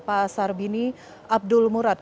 pasar bini abdul murad